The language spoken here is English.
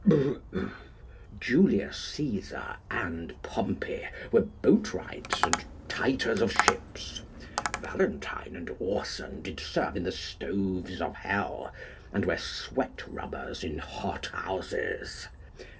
Julius Caesar and Pompey were boat wrights and tighters of ships. Valentine and Orson did serve in the stoves of hell, and were sweat rubbers in hot houses.